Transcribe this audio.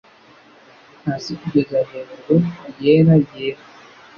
Hasi kugeza hejuru yera yera,